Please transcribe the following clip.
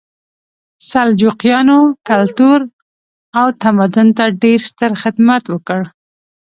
سلجوقیانو کلتور او تمدن ته ډېر ستر خدمت وکړ.